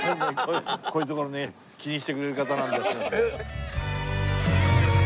こういうところね気にしてくれる方なんです。